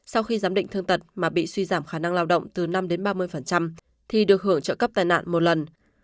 sau khi giám định thương tật mà bị suy giảm khả năng lao động từ năm đến ba mươi thì được hưởng trợ cấp tai nạn một lần